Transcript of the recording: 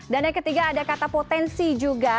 dan yang ketiga ada kata potensi juga